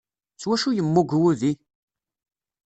S wacu yemmug wudi?